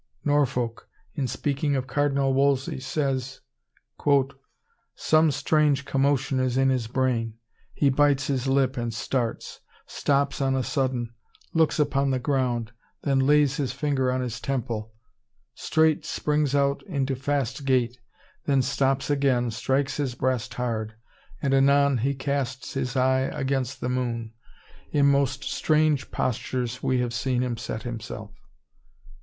Norfolk, in speaking of Cardinal Wolsey, says— "Some strange commotion Is in his brain; he bites his lip and starts; Stops on a sudden, looks upon the ground, Then, lays his finger on his temple: straight, Springs out into fast gait; then, stops again, Strikes his breast hard; and anon, he casts His eye against the moon: in most strange postures We have seen him set himself."